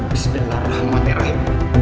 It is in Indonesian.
bisa lelah lama merah